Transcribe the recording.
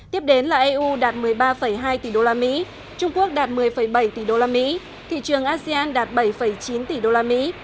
tiếp đến là eu đạt một mươi ba hai tỷ usd trung quốc đạt một mươi bảy tỷ usd thị trường asean đạt bảy chín tỷ usd